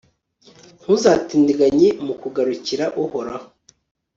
ntuzatindiganye mu kugarukira uhoraho